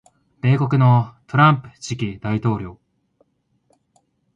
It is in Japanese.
米国のトランプ次期大統領